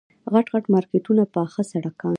غټ غټ مارکېټونه پاخه سړکان.